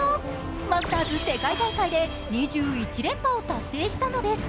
マスターズ世界大会で２１連覇を達成したのです。